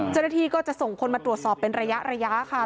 เจ้าหน้าที่ก็จะส่งคนมาตรวจสอบเป็นระยะค่ะ